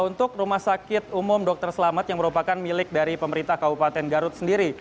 untuk rumah sakit umum dr selamat yang merupakan milik dari pemerintah kabupaten garut sendiri